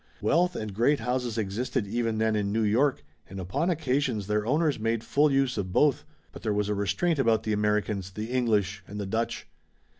Wealth and great houses existed even then in New York and upon occasion their owners made full use of both, but there was a restraint about the Americans, the English and the Dutch.